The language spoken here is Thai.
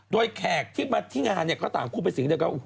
โดยแขกที่มาที่งานก็ตามคู่ไปสินเดียวกัน